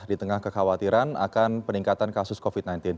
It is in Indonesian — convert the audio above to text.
di tengah kekhawatiran akan peningkatan kasus covid sembilan belas